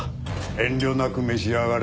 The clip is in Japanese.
遠慮なく召し上がれ。